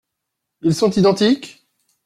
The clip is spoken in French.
Ils sont identiques ?